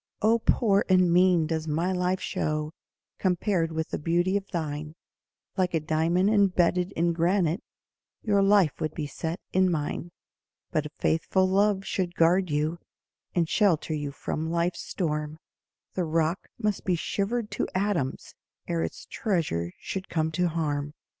Oh, poor and mean does my life show Compared with the beauty of thine, Like a diamond embedded in granite Your life would be set in mine; But a faithful love should guard you, And shelter you from life's storm, The rock must be shivered to atoms Ere its treasure should come to harm.